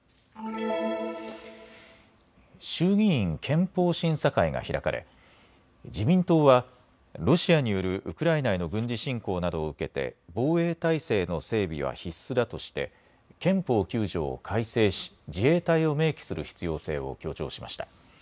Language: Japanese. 衆議院憲法審査会が開かれ自民党はロシアによるウクライナへの軍事侵攻などを受けて防衛体制の整備は必須だとして憲法９条を改正し自衛隊を明記する必要性を強調しました。